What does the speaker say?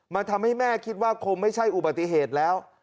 มันทำให้แม่คิดว่าคงไม่ใช่อุบัติเหตุแล้ว